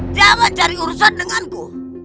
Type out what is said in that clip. jangan cari urusan denganku